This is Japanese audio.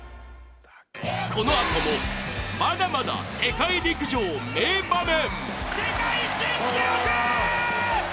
このあともまだまだ、世界陸上名場面！